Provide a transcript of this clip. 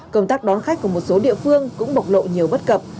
công tác đón khách của một số địa phương cũng bộc lộ nhiều bất cập